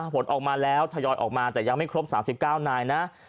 ผลออกมาแล้วทยอยออกมาแต่ยังไม่ครบ๓๙นายนะ